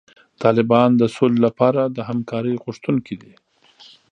طالبان د سولې لپاره د همکارۍ غوښتونکي دي.